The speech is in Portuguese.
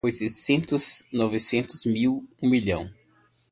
Oitocentos, novecentos, mil, um milhão